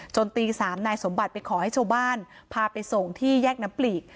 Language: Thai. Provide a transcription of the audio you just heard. ตี๓นายสมบัติไปขอให้ชาวบ้านพาไปส่งที่แยกน้ำปลีก